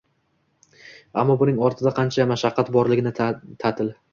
Ammo buning ortida qancha mashaqqat borligini ta’til